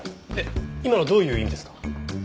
今のどういう意味ですか？